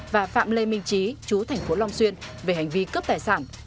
và phạm lê minh trí chú thành phố long xuyên về hành vi cướp tài sản